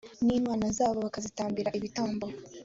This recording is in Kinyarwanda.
n imana zabo bakanazitambira ibitambo